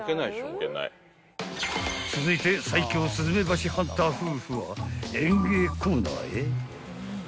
［続いて最強スズメバチハンター夫婦は園芸コーナーへ］